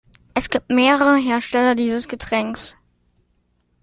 Es gibt mehrere Hersteller dieses Getränks.